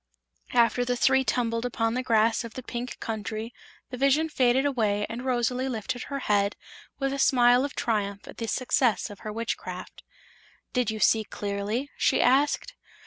After the three tumbled upon the grass of the Pink Country the vision faded away and Rosalie lifted her head with a smile of triumph at the success of her witchcraft. "Did you see clearly?" she asked.